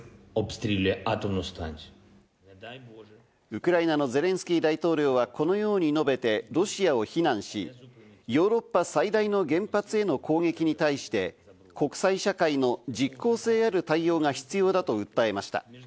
ウクライナのゼレンスキー大統領はこのように述べてロシアを非難し、ヨーロッパ最大の原発への攻撃に対して、国際社会の実効性ある対応が必要だと訴えました。